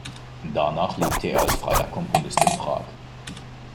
Danach lebte er als freier Komponist in Prag.